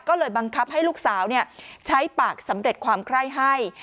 ก็เลยบังคับให้ลูกสาวใช้ปากสำเร็จความไคร้ให้